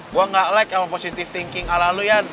gua gak like sama positive thinking ala lu yan